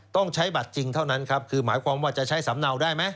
ต้องใช้บัตรจริงเท่านั้นครับคือหมายความว่าจะใช้สำเนาได้ไหม